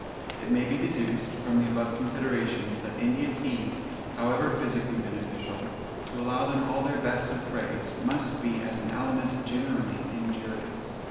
It may be deduced, from the above considerations, that India teas, however physically beneficial, to allow them all their best of praise, must be as an aliment generally injurious.